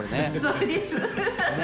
そうです。